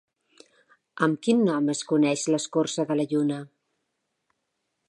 Amb quin nom es coneix l'escorça de la Lluna?